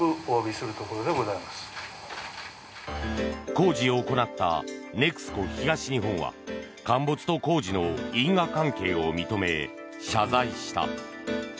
工事を行ったＮＥＸＣＯ東日本は陥没と工事の因果関係を認め謝罪した。